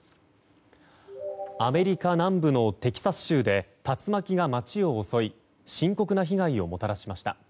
アメリカ南部のテキサス州で竜巻が街を襲い深刻な被害をもたらしました。